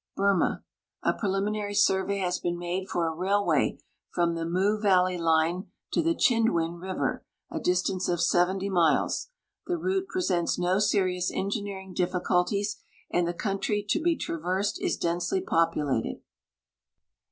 Burma. A preliminary survey has been made for a railway from the 5Iu valley line to the Chindwin river, a distance of 70 miles. The route presents no serious engineering difficulties and the country to be traversed is densely poi)ulated.